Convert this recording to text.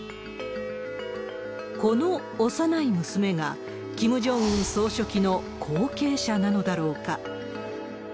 この幼い娘が、キム・ジョンウン総書記の後継者なのだろうか。